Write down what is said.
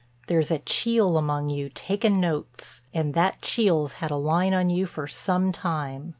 'There's a chiel among you takin' notes' and that chiel's had a line on you for some time.